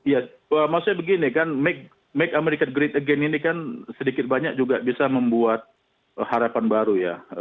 ya maksudnya begini kan make america great again ini kan sedikit banyak juga bisa membuat harapan baru ya